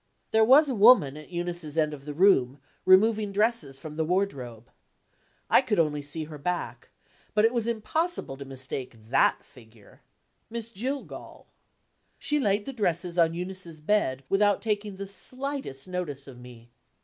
There was a woman at Eunice's end of the room, removing dresses from the wardrobe. I could only see her back, but it was impossible to mistake that figure Miss Jillgall. She laid the dresses on Eunice's bed, without taking the slightest notice of me.